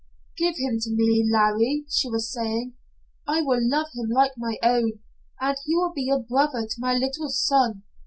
"'Give him to me, Larry,' she was saying. 'I will love him like my own, and he will be a brother to my little son.'